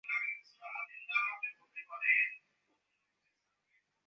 ওরকম মুখ করে আছো কেন?